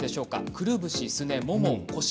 くるぶし、すね、もも、腰。